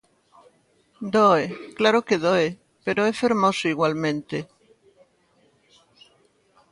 Doe, claro que doe, pero é fermoso igualmente.